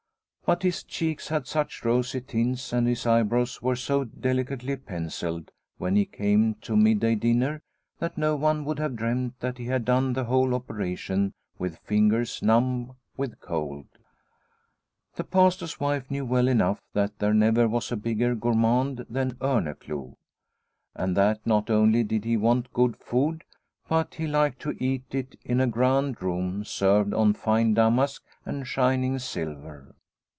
But his cheeks had such rosy tints and his eyebrows were so delicately pencilled when he came to midday dinner that no one would have dreamt that he had done the whole opera tion with fingers numb with cold. The Pastor's wife knew well enough that there never was a bigger gourmand than Orneclou, and that not only did he want good food, but he liked to eat it in a grand room served on fine damask and shining silver.